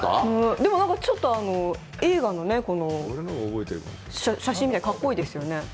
でも、ちょっと映画の写真みたいで格好いいですよね。